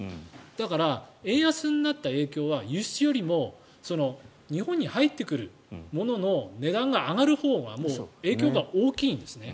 だから円安になった影響は輸出よりも日本に入ってくるものの値段が上がるほうがもう影響が大きいんですね。